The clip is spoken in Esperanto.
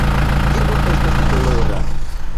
Tio estas dolora.